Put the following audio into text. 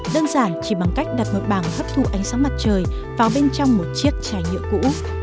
đơn giản chỉ bằng cách đặt một bảng thấp thu ánh sáng mặt trời vào bên trong một chiếc chai nhựa cũ